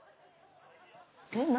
えっ何？